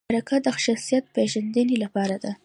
مرکه د شخصیت پیژندنې لپاره ده